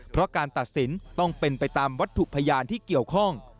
เพราะการตัดสินต้องเป็นไปตามวัตถุพยานที่เกี่ยวข้อง